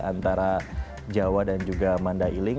antara jawa dan juga mandailing